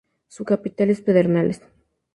Su capital es Pedernales.